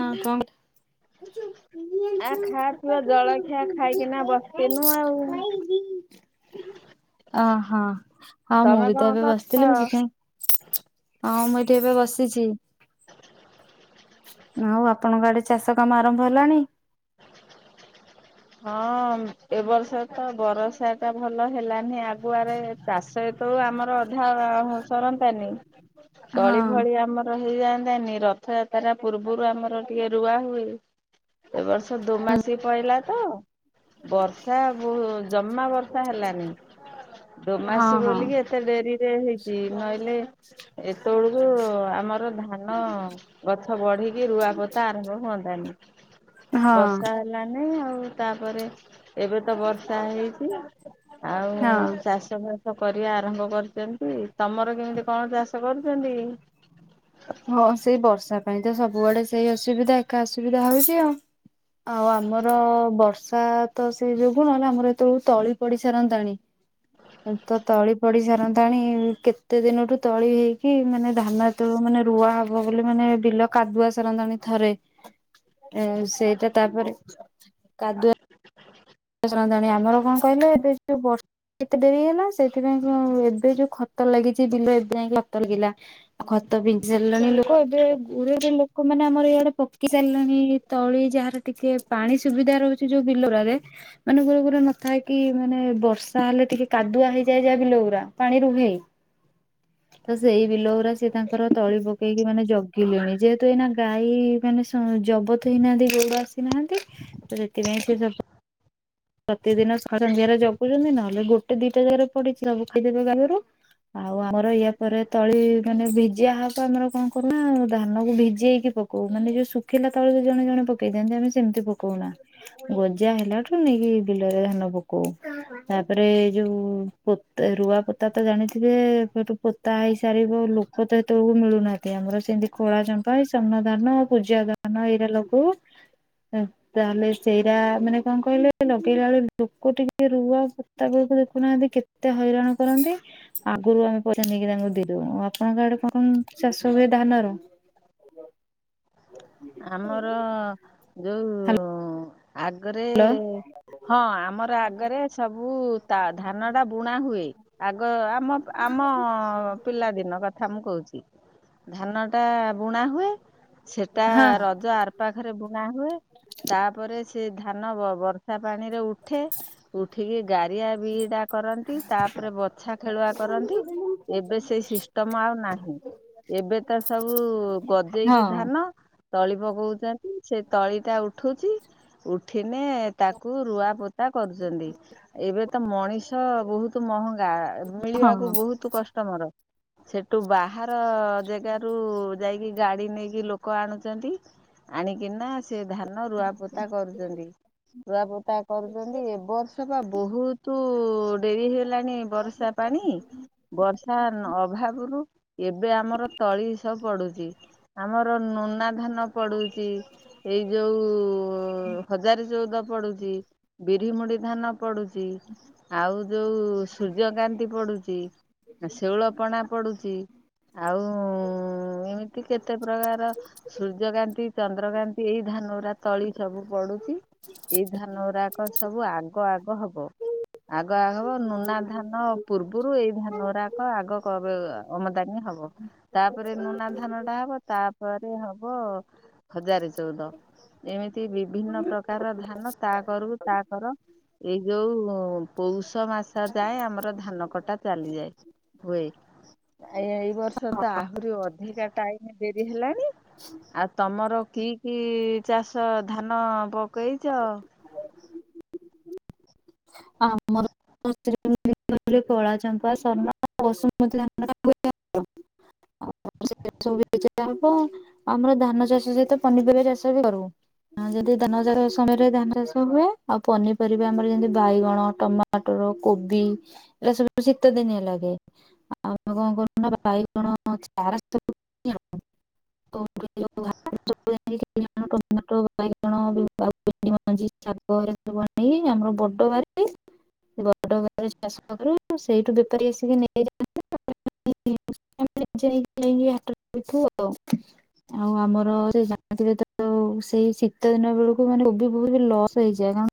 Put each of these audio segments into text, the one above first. ହଁ କ ଆ ଖାବା ପିଆ ଜଳଖିଆ ଖାଇକିନା ବସିନୁ ଆଉ। ଓ ହୋ। ହଁ ମୁଁ ତମେ ବି ତ କଣ ଏବେ କର? ବସିଥିଲି ମୁ ସେଥିାଇଁ ହଁ ମୁ କେବେ ବସିଛି। ଆଉ ଆପଣଙ୍କ ଆଡେ ଚାଷ କାମ ଆରମ୍ଭ ହେଲାଣି? ହଁ ଏବ ବର୍ଷ ତ ବର୍ଷା ଟା ଭଲ ହେଲାନି ଆ ଗୁଆରେ ଚାଷ ଯେତେବେୁ ଆମର ଅଧା ସରନ୍ନ୍ତାନି ତଳି ହଁ ଭଳି ଆମର ହେଇଯାଆନ୍ତନି ରଥଯାତ୍ରା ପୂର୍ବରୁ ଆମର ଟିକେ ରୁଆ ହୁଏ। ଏ ବର୍ଷ ଦୁମାସ ପହିଲା ତ ବର୍ଷା ବ ଜମା ବର୍ଷା ହେଲାନି ହଁ ଦୋମାସୀ ବୋଲିକି ଏତେ ଡେରି ରେ ହେଇଛି ନହିଲଲେ ଏତେବେଳକୁ ଆମ ଧାନ ଗଛ ବଢିକି ରୁଆପୋତା ଆରମ୍ଭ ହୁଅନ୍ତାନି। ହଁ ବର୍ଷା ହେଲାନି ଆଉ ତାପରେ ଏବେ ତ ବର୍ଷା ହେଇଛି ଆଉ ହଁ। ଚାଷ ବାସ କରିବା ଆରମ୍ଭ କରିଛନ୍ତି ତମର କେମିତି କଣ ଚାଷ କରୁଛନ୍ତି? ହଁ ସେଇ ବର୍ଷା ପାଇଁ ତ ସବୁଆଡେ ସେଇ ଅସୁବିଧା ଏକା ଅସୁବିଧା ହଉଛି ଆଉ। ଆଉ ଆମର ବର୍ଷା ତ ସେଇ ଯୋଗୁ ନହେଲେ, ଆମର ଏତେବେଳ ତଳି ପଡି ସାରନ୍ତାଣି। ତ ତଳି ପଡି ସାରନ୍ତାଣି, କେତେ ଦିନରୁୁ ତଳି ହେଇକି ମାନେ ଧାନ ତ ମାନେ ରୁଆ ହବ ବୋଲି, ମାନେ ବିଲ କାଦୁଆ ସାରନ୍ତାଣି ଥରେ ଆ ସେଇଟା ତାପରେ ସରନ୍ତାଣି ଆମର କଣ କହିଲେ, ଏବେ ଯୋଉ ବର୍ଷ କେତେ ଡେରି ହେଲା, ସେଥିପାଇଁ ଏବେ ଯୋଉ ଖତ ଲାଗିଛି ବିଲ ଏବେ ଯାଇ ଖତ ଲାଗିଲା ଆଉ ଭତ ପିନ୍ଧି ସାରିଲାଣି ଲୋକ ଏବେ ଗୁରେରେ ଲୋକମାନୋନେ ଆମର ଇଆଡେ ପକି ସାରିଲେଣି ତଳି ଯାହାର ଟିକେ ପାଣି ସୁବିଧା ରହୁଛି ଯୋଉ ବିଲୋରରେ ମାନେ ଗୋର ନଥାଏ କି ମାନେ ବର୍ଷା ହେଲେ ଟିକେ କାଦୁଆ ହେଇଯାଏ ଯାହା ବିଲ ଗା ପାଣି ରୁହେ। [inaudible] ତ ସେଇ ବିଲ ଗା ସି ତାଙ୍କର ତଳି ପକେଇକି ମାନେ ଜଗିଲେଣି, ଯେହେତୁ ଏଇନା ଗାଈ ମାନେ ଜବତ ହେଇନାହାନ୍ତି, ଗୋଉଡ଼ ଆସିନାହାନ୍ତି ତ, ସେଥିପାଇଁ ସେ [inaudible] ପ୍ରତିଦିନ ସନ୍ଧ୍ୟାରେ ଜଗୁଛନ୍ତି, ନହେଲେ ଗୋଟେ ଦିଟା ଜାଗାରେ ପଡିଛି, ସବୁ ଖାଇଦେବେ ଗାଲରୁ। ଆଉ ଆମର ୟା ପରେ ତଳି ମାନେ ଭିଜିଆ ହବ ଆମର କଣ କରୁନା ଧାନ କୁ ଭିଜେଇକି ପକଉ, ମାନେ ଯୋଉ ଶୁଖିଲା ତଳ ଜଣେ ଜଣେ ପକେଇଥାନ୍ତି ଆମେ ସେମିତି ପକଉନା ଗ ପୂଜା ହେଲାଠୁ ନେଇକି ବିଲରେ ଧାନ ପକଉ, ତାପରେ ଯୋଉ ପ ରୁଆ ପ ତା ତ ଜାଣିଥିବେ, ସେଠୁ ପୋତା ହେଇସାରିବ ଲୋକ ତ ସେତେବେଳକୁ ମିଳୁନାହାନ୍ତି ଆମର ସେମିତି ଖୋଳା ଜମ ପାଇଁ ସୁନା ଧାନ, ପୂଜା ଧାନ, ଏଇରା ଲଗଉ, ତା ତାହେଲେ ସେଇଟା ସେ କଣ କହିଲ, ଲଗେଇଲା ବେଳେ ଲୋକ ଟିକେ ରୁଆ ପୋତା ବେଳକୁ ଦେଖୁନାହାନ୍ତି, କେତେ ହଇରାଣ କରନ୍ତି। ଆଗରୁ ଆମେ ପଇସା ନେଇକି ତାଙ୍କୁ ଦେ ଉ ଆପଣଙ୍କ ଆଡେ କଣ ଚାଷ ହୁଏ ଧାନର ଆମର ଯୋଉ ଆଗରେ ହ୍ୟାଲୋ ହଁ ଆମର ଆଗରେ ସବୁ ତା ଧାନ ଟା ବୁଣା ହୁଏ ଆଗ ଆମ ଆମ ପିଲାଦିନ କଥା ମୁଁ କହୁଚି। ଧାନ ଟା ବୁଣା ହୁଏ ସେ ଟା ହଁ ରଜ ଆର ପାଖରେ ବୁଣା ହୁଏ ତାପରେ ସେ ଧାନ ବ-ବ-ବର୍ଷା ପାଣିରେ ଉଠେ, ଉଠିକି ଗାରିଆ ବିଡା କରନ୍ତି, ତାପରେ ବଛା ଖେଳୁଆ କରନ୍ତି, ଏବେ ସେଇ ସିଷ୍ଟମ ଆଉ ନାହିଁ। ଏବେ ତ ସବୁ ଗଜେଇକି ଧାନ ତଳି ପକଉଛନ୍ତି, ସେ ତଳିଟା ଉଠୁଛି ଉଠିନେ ତାକୁ ରୁଆ ପ ତା କରୁଛନ୍ତି, ଏବେ ତ ମଣିଷ ବହୁତ ମହ ଗା, ହଁ ମିଳିବାକୁ ହଁ ବହୁତ କଷ୍ଟ, ମୋର ସେଠୁ ବାହାର ଜାଗାରୁୁ ଯାଇକି ଗାଡି ନେଇକି ଲୋ ଲୋକ ଆଣୁଛନ୍ତି, ଆଣିକିନା ସେ ଧାନ ରୁଆପୋତା କରୁଛନ୍ତି, ରୁଆପ ତା, କରୁଛନ୍ତି, ଏବ ବର୍ଷ ବା ବହୁତ ଡେରି ହେ ହେଲାଣି ବର୍ଷା ପାଣି, ବର୍ଷା ନ ଅଭାବରୁ ଏବେ ଆମର ତଳି ସବୁ ପଡୁଛି, ଆମ ର ନୁନା ଧାନ ପଡୁଛି, ଏଇ ଯୋଉ ହଜାରେ ଚଉଦ ପଡୁଛି। ବିରି ମୁଡି ଧାନ ପଢୁଛି, ଆଉ ଯୋଉ ସୂର୍ଯ୍ୟକାନ୍ତି ପଡୁଛି। ଶେଉଳ ପଣା, ପଡୁଛି ଆଉ ଏମିତି କେତେ ପ୍ରକାର ସୂର୍ଯ୍ୟକାନ୍ତି ଚନ୍ଦ୍ରକାନ୍ତି, ଏଇ ଧାନ ଗୁରା ତଳି ସବୁ ପଡୁଚି। ଏଇ ଧାନ ଗୁଡାକ ସବୁ ଆଗ ଆଗ ହବ। ଆଗ ଆ ହବ ନୁନା ଧାନ ପୂର୍ବରୁ, ଏଇ ଧାନ ଗୁଡାକ ଆଗ କ ଆମଦାନୀ ହବ, ତାପରେ ନୁନା ଧାନ ଟା ହବ ତାପରେ ହବ ହଜାରେ ଚଉଦ। ଏମିତି ବିଭିନ୍ନ ପ୍ରକାରର ଧାନ ତା କରୁକୁ ତା କର ଏଇ ଯୋଉ ପୌଷ ମାସ ଯାଏ, ଆମର ଧାନ କଟା ଚାଲିଯାଏ। ହୁଏ ଏଇ ବର୍ଷ ତ ଆହୁରି ଅଧିକା ଟାଇ ହେଲାଣି ଆଉ ତମ ର କି କି ଚାଷ ଧାନ ପକେଇଚ? ଆ ଆମର [unintelligible] [unintelligible] କଳା ଚମ୍ପା ସୁ ବସୁମତି। [inaudible] ବ [unintelligible] ହବ ଆମର ଧାନ ଚାଷ ସହିତ ପନିପରିବା ଚାଷ ବି କରୁ। ହଁ ଯଦି ଧାନ ଚାଷ ସମୟରେ ଧାନ ଚାଷ ହୁଏ ଆଉ ପନିପରିବା ଆମର ଯେମି ବାଇଗଣ ଟମାଟର କୋବି ଏଇଟା ସବୁ ଶୀତ ଦିନିଆ ଲାଗେ। ଆଉ ଆମେ କଣ କରୁ ନା ବାଇଗଣା [inaudible] ଚାରା ସବୁ [unintelligible] ଟମାଟୋ ବାଇଗଣ [unintelligible] ମଞ୍ଜି ଶାଗୁ ଘରା ସବୁ ଆଣିକି ଆମର ବ ବ ବ ଚାଷ ସେଇଠୁ ବେପାରୀ ଆସିକି ନେଇଯାଆନ୍ତି କି ଆଉ [unintelligible] ଆଉ ଆମର ସେ ଜାଣିଥିବେ ତ ସେଇ ଶୀତ ଦିନ ବେଳକୁ ମାନେ ବି ବହୁତ ଲସ୍ ହେଇଯଏ କାରଣ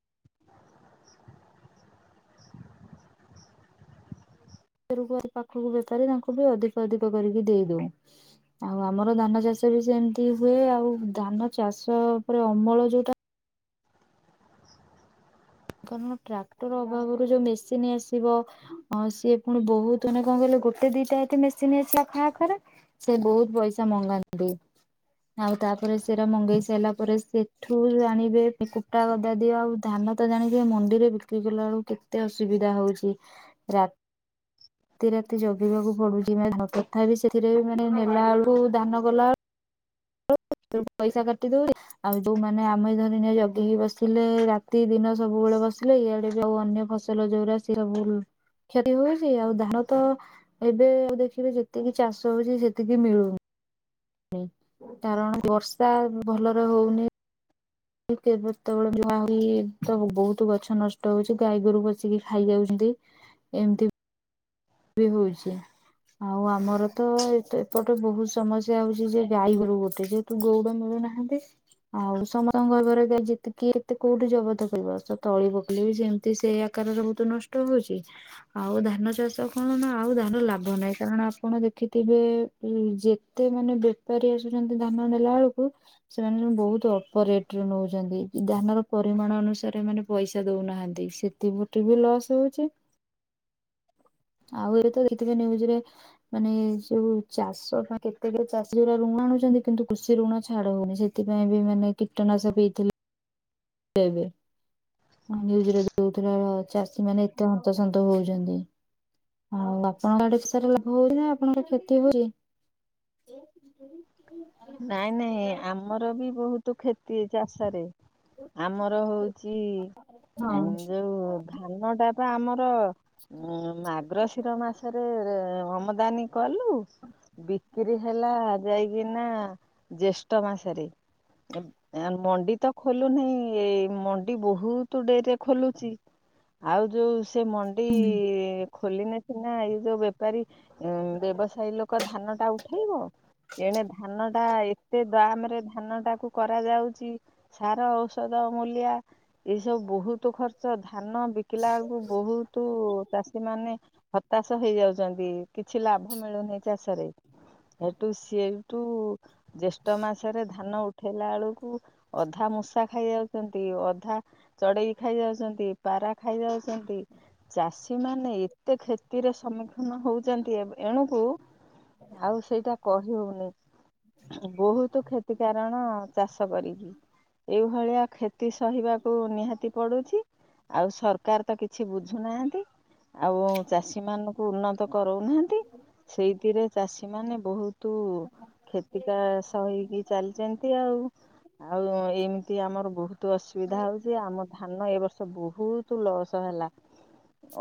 ପାଖକୁ ବେପାରୀ ତାଙ୍କୁ ବି ଅଧିକ ଅଧିକ କରିକି ଦେଇ ଦଉ ଆଉ ଆମର ଧାନ ଚାଷ ବି ସେମିତି ହୁଏ, ଆଉ ଧାନ ଚାଷ ପରେରେ ଅମଳ ଯୋଉଟା କାରଣ ଟ୍ରାକ୍ଟର ଅଭାବରୁ ଯୋଉ ମେସିନ୍ ଆସିବ ସିଏ ପୁଣି ବହୁତ ମାନେ କଣ କହିଲ? ଗୋଟେ ଦିଟା ଏ ମେସିନ୍ ହେ ଖା ଖରା ସେ ବହୁତ ପଇସା ମଗାନ୍ତି ଆଉ ତାପରେ ସେଟା ମଗେଇ ସାରିଲା, ପରେ ସେଠୁ ଜାଣିବେ କୁଟା ଗଦା ଦିଅ ଆଉ ଧାନ ତ ଜାଣିଛ ମଣ୍ଡିରେ ବିକ୍ରି କଲା ବେଳକୁ କେତେ ଅସୁବିଧା ହଉଛି ରା ରାତି ରାତି ଜଗିବାକୁ ପଡୁଛି ମାନେ ତଥା ବିି ସେଥିରେ ମାନେ ନେଲା ବେଳକୁ ଦାନ କଲାବେଳକୁ ପଇସା କରତି ତ ଆଉ ଯୋଉମାନେ ଆମେ ଧରି ନି ଜଗିକି ବସିଲେ ରାତି ଦିନ ସବୁବେଳେ ବସିଲେ ଇଆଡେ ବି ଆଉ ଅନ୍ୟ ଫସଲ ଯୋଉର ସେ ସବୁୁ କ୍ଷତି ହଉଛି ଆଉ ଧାନ ତ ଏବେ ଆ ଦେଖିବେ ଯେତିକି ଚାଷ ହଉଛି ସେତିକି ମିଳୁନି କାରଣ ବର୍ଷା ଭଲରେ ହଉନି। ଯେତେବେଳେ ଯହା ହୁ ତ ବହୁତ ଗଛ ନଷ୍ଟ ହଉଛି ଗାଈ ଗୋରୁ ବସିକି ଖାଇଯାଉଛି। ଏମିତି ବି ହଉଛି। ଆଉ ଆମର ତ ଏ ଏପଟେ ବହୁତ ସମସ୍ୟା ହଉଛି ଯେ ଗାଈଗୋରୁ ଗୋଟେ ଯେହେତୁ ଗୋଡ ମେଳ ନାହାନ୍ତି! ଆଉ ସମସ୍ତଙ୍କର ଘରେକି ଏତେ କୋଉଠି ଜବତ କରିବ ସେ ତଳି ପକଲେ ବି ସେମିତି ସେ କାର ବହୁତ ନଷ୍ଟ ହଉଛି ଆଉ ଧାନ ଚାଷ କଣ ନା ଆଉ ଧାନ ଲାଭ ନାହିଁ, କାରଣ ଆପଣ ଦେଖିଥିବେ ଯେତେ ମାନେ ବେପାରୀ ଆସ ଧାନ ନଲା ବେଳକୁ ସେମାନେ ବହୁତ ଅଳ୍ପ ରେଟରେ ନେଉଛନ୍ତି, ଧାନର ପରିମାଣ ଅନୁ ଅନସାରେ ମାନେ ପଇସା ଦଉନାହାନ୍ତି, ସେଥିପଟେ ବି ଲସ୍ ହଉଛି ଆଉ ଏବେ ତ ଦେିବଜରେ ମାନେ ଯୋଉ ଚାଷ କେତେ ଚାଷୀ ଯା ଋଣ ଣୁ କିନ୍ତୁ କୃଷି ଋଣ ଛାଡ ହଉନି ସେଥିପାଇଁ, ବି ମାନେ କୀଟନାଶ ହେଇଥିଲେ ଦେବେ ଜରେ ଦଉଥିଲା ଚାଷୀ ମାନେ ଏତେ ହନ୍ତସନ୍ତ ହଉଛନ୍ତି। ଆଉ ଆପଣଙ୍କ ଆଡେ ପସାର ଲାଭ ହଉଛି ନା ଆପଣଙ୍କର କ୍ଷତି ହଉଛି। ନାଇଁ ନାଇଁ ଆମର ବି ବହୁତ କ୍ଷତି ଚାଷ ରେ ଆମର ହଉଛି। ହଁ ଯୋଉ ଧାନ ଟା ବା ଆମର ଉ ମାଗ୍ରଶିର ମାସରେ ସେ ଆମଦାନୀ କଲୁ ବିକି ହେଲା ଯାଇକିନା ଜ୍ୟେଷ୍ଠ ମାସରେ ମଣ୍ଡି ତ ଖୋଲୁ ନାହିଁ ଏଇ ମଣ୍ଡି ବହୁତ ଡେରିରେ ଖୋଲୁଛି ଆଉ ଯୋଉ ସେ ମଣ୍ଡି ହଁ। ଖୋଲିନେ ସିନା ଏଇ ଯୋଉ ବେପାରୀ ବ୍ୟବସାୟୀ ଲୋକ ଧାନ ଟା ଉଠାଇବ ଏଣେ ଧାନ ତା ଏତେ ଦାମ ରେ ଧାନ ଟାକୁ କରାଯାଉଛି ସାର ଔଷଧ ମୂଲ୍ୟା ଏଇସବୁ ବହୁତ ଖର୍ଚ୍ଚ ଧାନ ବିକିଲା ବେଳକୁ ବହୁତ ଚାଷୀ ମାନେ ହତାଶ ହେଇଯାଉଛନ୍ତି କିଛି ଲାଭ ମିଳୁନିଁ ଚାଷରେ। ସେଠୁ ସେଠୁ ଜେଷ୍ଠ ମାସରେ ଧାନ ଉ ଉଠେଇଲା ବେଳକୁ ଅଧା ମୂଷା ଖାଇଯାଉଛନ୍ତି ଅଧା ଚଢେଇ ଖାଇଯାଉଛନ୍ତି। ପା ପାରା ଖାଇଯାଉଛନ୍ତି ଚାଷୀ ମାନେ ଏତେ କ୍ଷତିର ସମ୍ମୁଖୀନ ହଉଛନ୍ତି ଏଣୁକୁ ଆଉ ସେଇଟା କହି ହଉନି। ବହୁତ କ୍ଷତି କାରଣ ଚାଷ କରିକି ଏଇଭଳିଆ କ୍ଷତି ସହିବାକୁ ନିହାତି ପଡୁଛି ଆଉ ସରକାର ତ କିଛି ବୁଝୁନାହାନ୍ତି। ଆଉ ଚାଷୀ ମାନଙ୍କୁ ଉନ୍ନତ କରାଉନାହାନ୍ତି ସେଇଥିରେ ଚାଷୀ ମାନେ ବହୁତ ଟକା ସହିକି ଚାଲିଛନ୍ତି ଆଉ ଆଉ ଏମିତି ଆମର ବହୁତ ଅସୁବିଧା ହଉଛି ଆମ ଧାନ ଏ ବର୍ଷ ବହୁତ ଲସ୍। ହେଲା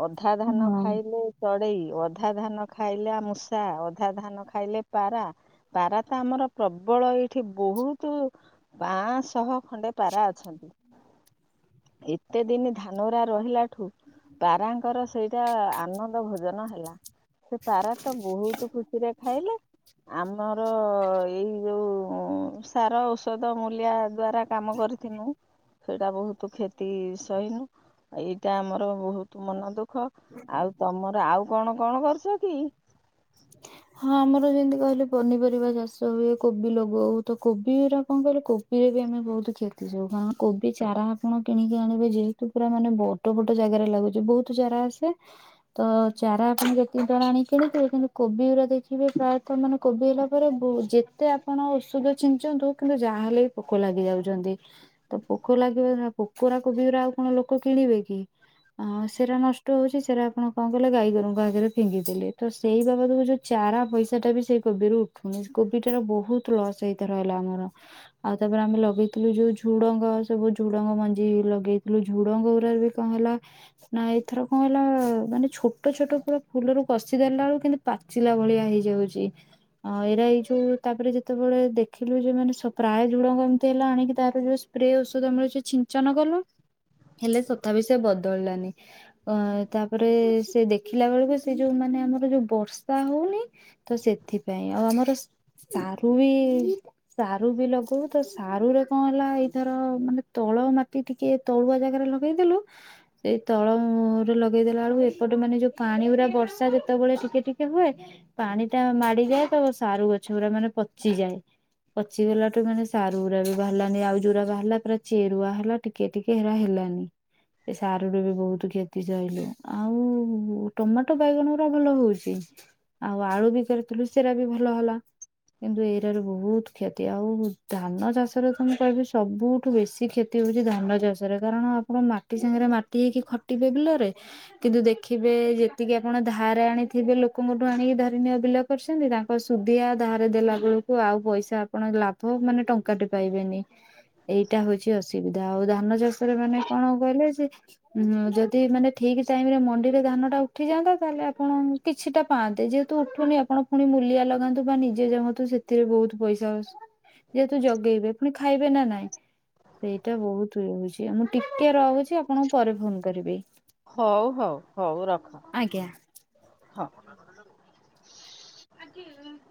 ଅଧା ଧାନ ଖାଇଲେ ଚଢେଇ ଅଧା ଧାନ ଖାଇଲା ମୂଷା ଅଧା ଧାନ ଖାଇଲେ ପାରା ପାରା ଆମର ପ୍ରବଳ ଏଇଠି ବହୁତ ପାଆଁଶହ ଖଣ୍ଡେ ପାରା ଅଛନ୍ତି। ଏତେ ଦିନ ଧାନରା ରହିଲା ଠୁ ପାରାଙ୍କର ସେଇଟା ଆନନ୍ଦ ଭୋଜନ ହେଲା। ସେ ପାରା ତ ବହୁତ ଖୁସିରେ ଖାଇଲେ ଆମର ଏଇ ଯୋଉ ସାର ଔଷଧ ମୂଲିୟା ଦ୍ଵାରା କାମ କରିଥିଲିନୁ। ସେଇଟା ବହୁତ କ୍ଷତି ସଇନୁ ଏଇଟା ଆମର ବହୁତ ମନ ଦୁଃ ଖ ଆଉ ତମର ଆଉ କଣ କଣ କରୁଛ କି? ହଁ ଆମର ଯେମିତି କହିଲେ ପନିପରିବା ଚାଷ ହୁଏ କୋବି ଲଗଉ ତ କୋବି ର କଣ କହିଲେ କୋବିରେ ଆମେ ବହୁତ କ୍ଷତି ସୁ କାରଣ କୋବି ଚାରା ଆପଣ କିଣିକି ଆଣିବେ ଯେହେତୁ ପୁରା ମାନେ ବଡ ବଡ ଜାଗାରେ ବହୁତ ଚାରା ଆସେ ତ ଚାରା ଆପଣ ଯେତିକିର ଆଣ କୋବି ଗୁରା ଦେଖିବେ ପ୍ରାୟତଃ ମାନେ କୋବି ହେଲା ପରେ ଯେତେ ଆପଣ ଔଷଧ ଛିଞ୍ଚନ୍ତୁ କିନ୍ତୁ ଯା ତାହେଲେ ପୋକ ଲାଗି ଯାଉଛନ୍ତି ତ ପୋକ ଲାଗିବ ପୋକରା଼ କୋବିରା ଆଉ କଣ ଲୋକ କିଣିବେ କି? ଅ ସେଟା ନଷ୍ଟ ହଉଛି ସେଟା ଆପଣ କଣ କଲେ ଗାଈ ଗୋରୁଙ୍କ ଆଗରେ ଫିଙ୍ଗିଦେଲେ ତ ସେଇ ବାଦକୁ ଯୋଉ ଚାରା ପଇସା ଟା ବି ସେଇ କୋବି ର ଉଠୁନି କୋବି ଟ ର ବହୁତ ଲସ ହେଇ ରହିଲା ଆମର। ଆଉ ତାପରେ ଆମେ ଲଗେଇଥିଲୁ ଯୋଉ ଝୁଡଙ୍ଗ ସବୁ ଝୁଡଙ୍ଗ ମଞ୍ଜି ଲଗେଇଥିଲୁ ଝୁଡଙ୍ଗ ଗୁଡା ବି କଣ ହେଲା ନା ଏଥର କଣ ହେଲା ମାନେ ଛୋଟ ଛୋଟ ପୁରା ଫୁଲରୁ କଷି ଦେେଲା ବେକୁ କିନ୍ତୁ ପାଚିଲା ଭଳିଆ ହେଇଯାଉଛି ଆଉ ଏଇରା ଏଇ ଯୋଉ ତାପରେ ଯେତେବେଳେ ଦେଖିଲୁ ଯେ ମାନେ ସକା ପ୍ରାୟ ଝୁଣ କେମିତି ହେଲା ଆଣିକି ତାର ଯୋଉ ସ୍ପ୍ରେ ଔଷଧ ମିଳୁଛି ଛିଞ୍ଚନ କଲୁ। ହେଲେ ତଥାପି ସେ ବଦଳିଲାନି ଅ ତାପରେ ସେ ଦେଖିଲା ବେଳକୁ ସେ ଯୋଉମା ମାନେ ଆମର ଯୋଉ ବର୍ଷ ବର୍ଷା ହଉନି ତ ସେଥିପାଇଁ ଆଉ ଆମର ସାରୁ ବି ସାରୁ ବିଲ କ ତ ସାରୁ ରେ କଣ ହେଲା ଏଇଥର ମାନେ ତଳ ମାଟି ଟିକେ ତଳୁଆ ଜାଗାରେ ଲଗେଇଦେଲୁ ସେଇ ତଳରେ ଲଗେଇଦେଲା ବେଳକୁ ଏପଟେ ମାନେ ଯୋଉ ପାଣି ପୁରା ବର୍ଷା ଯେତେବେଳେ ଟିକେ ଟିକେ ହୁଏ ପାଣି ଟା ମାଡିଯାଏ ତ ସାରୁ ଗଛ ପୁରା ମାନେ ପଚିଯାଏ। ପଚିଗଲାଠୁ ମାନେ ସାର ଉୁରା ବି ବାହାରିଲାନି ଆଉ ଯୋଉରା ବାହାରିଲା ପୁରା ଚେରୁଆ ହେଲା ଟିକେ ଟିକେ ହେରା ହେଲା। [unintelligible] ଏ ସାରୁରୁୁ ବି ବହୁତ କ୍ଷତି ସହିଲୁ ଆଉ ଟମାଟୋ ବାଇଗଣ ପୁରା ଭଲ ହଉଛି। ଆଉ ଆଳୁ ବି କରିଥିଲୁ ସେରା ବି ଭଲ ହେଲା। କିନ୍ତୁ ଏଇଟ ର ବହୁତ କ୍ଷତି ଆଉ ଧାନ ଚାଷରେ ତ ମୁଁ କହିବି ସବୁଠୁ ବେଶୀ କ୍ଷତି। ହୋଉଛି ଧାନ ଚାଷ। କାରଣ ଆପଣ ମାଟି ସାଙ୍ଗରେ ମାଟି ହେଇକି ଖଟିବେ ବିଲରେ କିନ୍ତୁ ଦେଖିବେ ଯେତିକି ଆପଣ ଧାରେ ଆଣିଥିବେ ଲୋ ଲୋକଙ୍କଠୁ ଆଣିକି ଧରିନିଅ ବିଲ କରିଛନ୍ତି ତାଙ୍କ ସୁଧିଆ ଧାର ଦେଲା ବେଳକୁ ଆଉ ପଇସା ଆପଣ ଲାଭ ମାନେ ଟଙ୍କା ଟେ ପାଇବେନି ଏଇଟା ହଉଛି ଅସୁବିଧା। ଆଉ ଧାନ ଚାଷରେ ମାନେ କଣ କହିଲେ ଯେ ଉଁ ଯଦି ମାନେ ଠିକ ଟାଇମ ରେ ମଣ୍ଡିରେ ଧାନଟା ଉଠି ଯାଆନ୍ତା ତାହେଲେ ଆପଣ କିଛିଟା ପାଆନ୍ତେ ଯେହେତୁ ଉଠୁନି ଆପଣ ଫୁଣି ମୂଲିଆ ଲଗାନ୍ତୁ ବା ନିଜେ ଜଗନ୍ତୁ ସେଥିରେ ବହୁତ ପଇସା ଯେହେତୁ ଜଗେଇବେ ପୁଣି ଖାଇବେ ନା ନାଇଁ। ସେଇଟା ବହୁତ ଇଏ ହଉଛିଉ ମୁଁ ଟିକେ ରହୁଛି ଆପଣଙ୍କୁ ପରେ ଫୋନ କରିବି। ହଉ ହଉ ହଉ ରଖ ଆଜ୍ଞା। ହଁ। ଆଜି [inaudible]